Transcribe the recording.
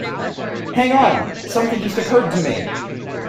Hang on! Something just occurred to me.